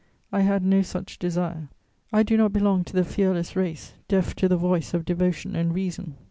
I had no such desire. I do not belong to the fearless race, deaf to the voice of devotion and reason.